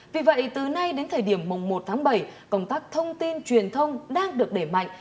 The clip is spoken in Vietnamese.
vì vậy từ nay đến thời điểm một tháng bảy công tác thông tin truyền thông đang được đẩy mạnh